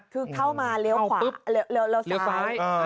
คือเข้ามาเลี่ยวซ้าย